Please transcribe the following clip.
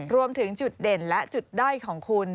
รวมถึงจุดเด่นและจุดด้อยของคุณ